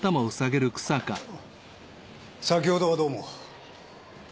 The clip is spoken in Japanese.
先ほどはどうも。